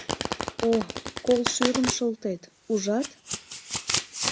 О-о, кол шӱрым шолтет, ужат?